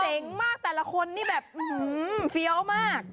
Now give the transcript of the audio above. เต๋งมากแต่ละคนนี่แบบฟี๊ยาวมาก